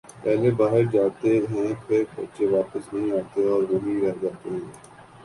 پہلے باہر جا تے ہیں پھر بچے واپس نہیں آتے اور وہیں رہ جاتے ہیں